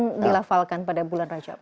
yang dilafalkan pada bulan rajab